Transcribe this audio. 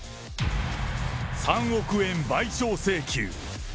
３億円賠償請求。